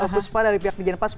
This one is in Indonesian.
puspa dari pihak dijanpas